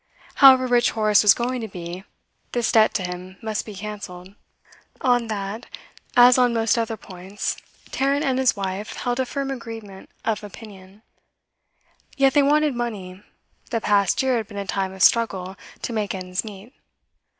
However rich Horace was going to be, this debt to him must be cancelled. On that, as on most other points, Tarrant and his wife held a firm agreement of opinion. Yet they wanted money; the past year had been a time of struggle to make ends meet.